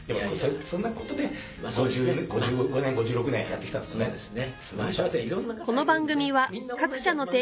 そんなことで５５年５６年やって来たんですよね。